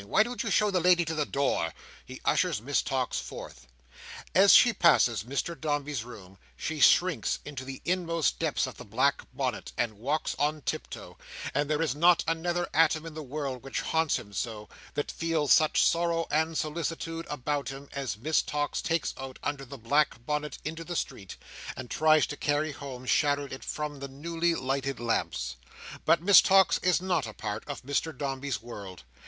Why don't you show the lady to the door?" he ushers Miss Tox forth. As she passes Mr Dombey's room, she shrinks into the inmost depths of the black bonnet, and walks, on tip toe; and there is not another atom in the world which haunts him so, that feels such sorrow and solicitude about him, as Miss Tox takes out under the black bonnet into the street, and tries to carry home shadowed it from the newly lighted lamps. But Miss Tox is not a part of Mr Dombey's world.